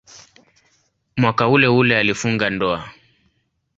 Mwaka uleule alifunga ndoa.